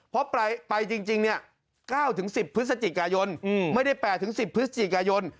เพราะไปจริง๙๑๐พฤศจิกายนไม่ได้๘๑๐พฤศจิกายน